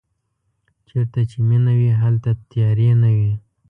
چېرته چې مینه وي هلته تیارې نه وي.